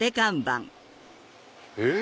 えっ？